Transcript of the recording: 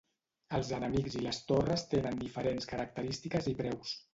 Els enemics i les torres tenen diferents característiques i preus.